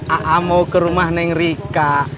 a'a mau ke rumah neng rika